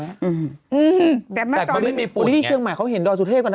อืมแต่เมื่อก่อนแต่มันไม่มีฝุ่นวันนี้ที่เชียงใหม่เขาเห็นดอยสุเทพกันนะ